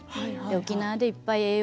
沖縄でいっぱい。